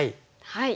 はい。